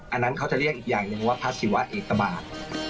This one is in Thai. อันนั้นเขาจะเรียกอีกอย่างหนึ่งว่าพระศิวะเอกบาท